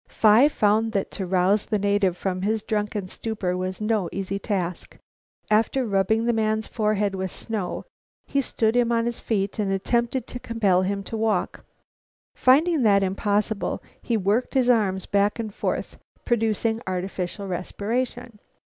Phi found that to rouse the native from his drunken stupor was no easy task. After rubbing the man's forehead with snow, he stood him on his feet and attempted to compel him to walk. Finding this impossible, he worked his arms back and forth, producing artificial respiration.